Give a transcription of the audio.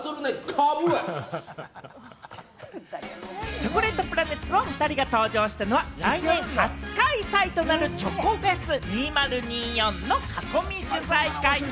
チョコレートプラネットのおふたりが登場したのは、来年初開催となる「ＣＨＯＣＯＦＥＳ２０２４」の囲み取材会。